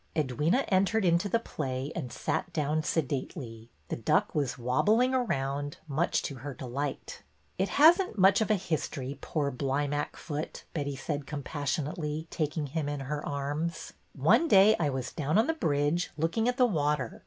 Edwyna entered into the play and sat down sedately. The duck was wobbling around, much to her delight. '' It has n't much of a history, poor Blymack foot," Betty said compassionately, taking him in her arms. One day I was down on the bridge, looking at the water.